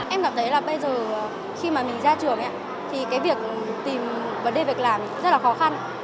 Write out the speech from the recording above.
em cảm thấy là bây giờ khi mà mình ra trường thì cái việc tìm vấn đề việc làm rất là khó khăn